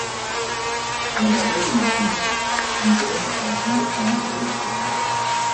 Predatori notturni, di giorno passano il tempo sul fondo.